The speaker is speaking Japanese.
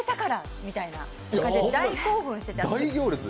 みたいな感じで大興奮してて。